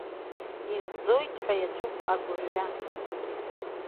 Изӡоит ҳәа иаҿуп агәырҩа.